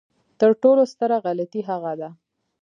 تر ټولو ستره غلطي هغه ده.